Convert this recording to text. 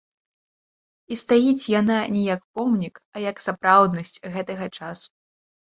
І стаіць яна не як помнік, а як сапраўднасць гэтага часу.